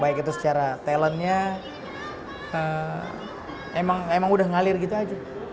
baik itu secara talentnya emang udah ngalir gitu aja